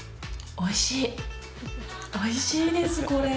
おいしいです、これ。